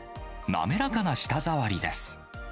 滑らかな舌触りです。